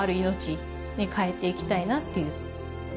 変えて行きたいなっていう。